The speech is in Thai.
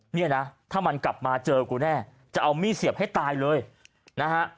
เนี่ยนะถ้ามันกลับมาเจอกูแน่จะเอามีดเสียบให้ตายเลยนะฮะ